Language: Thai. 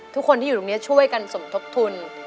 ทุกคนที่อยู่ตรงนี้ช่วยกันสมทบทุน